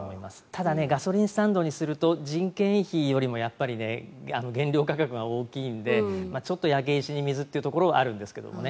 ただガソリンスタンドにすると人件費よりもやっぱり原料価格が大きいのでちょっと焼け石に水というところはあるんですけどね